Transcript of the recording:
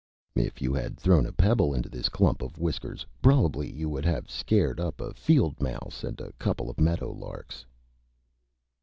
If you had thrown a Pebble into this Clump of Whiskers probably you would have scared up a Field Mouse and a couple of Meadow Larks.